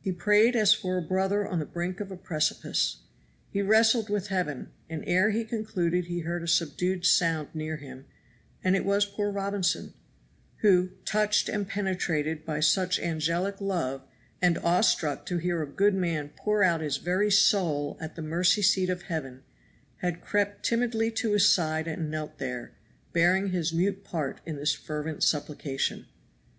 He prayed as for a brother on the brink of a precipice. He wrestled with Heaven; and ere he concluded he heard a subdued sound near him, and it was poor Robinson, who, touched and penetrated by such angelic love, and awestruck to hear a good man pour out his very soul at the mercy seat of Heaven, had crept timidly to his side and knelt there, bearing his mute part in this fervent supplication.